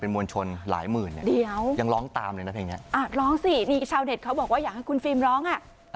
มวลชนหลายหมื่นเนี่ยเดี๋ยวยังร้องตามเลยนะเพลงเนี้ยอ่าร้องสินี่ชาวเน็ตเขาบอกว่าอยากให้คุณฟิล์มร้องอ่ะ